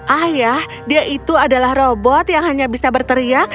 ayah dia itu adalah robot yang hanya bisa berteriak